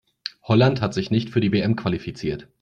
Holland hat sich nicht für die WM qualifiziert.